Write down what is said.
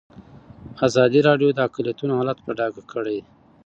ازادي راډیو د اقلیتونه حالت په ډاګه کړی.